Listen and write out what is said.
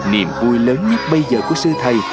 niềm vui lớn nhất bây giờ của sư thầy